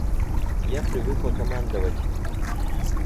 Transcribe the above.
Я привыкла командовать.